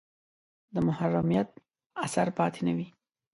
د محرومیت اثر پاتې نه وي.